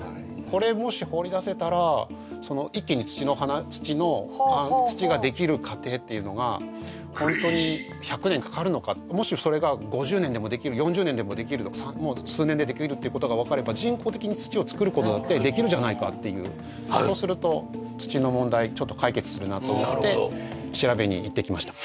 これもし掘り出せたら一気に土の土ができる過程っていうのがホントに１００年かかるのかもしそれが５０年でもできる４０年でもできるともう数年でできるってことが分かれば人工的に土を作ることだってできるじゃないかっていうそうすると土の問題ちょっと解決するなと思って調べに行ってきました